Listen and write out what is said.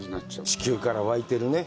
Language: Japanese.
地球から湧いてるね。